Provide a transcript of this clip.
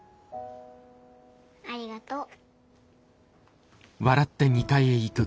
ありがとう。